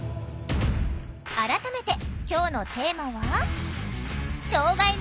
改めて今日のテーマは？